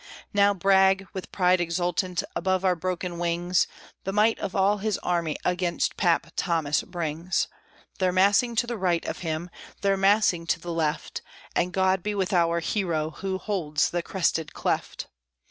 Now Bragg, with pride exultant above our broken wings, The might of all his army against "Pap" Thomas brings; They're massing to the right of him, they're massing to the left, Ah, God be with our hero, who holds the crested cleft!